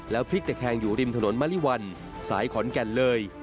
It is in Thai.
พลิกตะแคงอยู่ริมถนนมะลิวัลสายขอนแก่นเลย